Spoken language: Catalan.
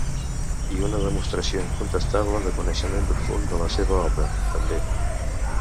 I una demostració incontestable de coneixement profund de la seva obra, també.